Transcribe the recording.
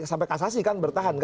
sampai kasasi kan bertahan